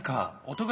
音？